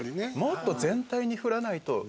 もっと全体に振らないと。